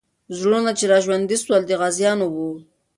زړونه چې راژوندي سول، د غازیانو وو.